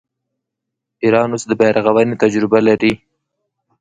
ایران اوس د بیارغونې تجربه لري.